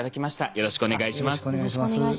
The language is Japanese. よろしくお願いします。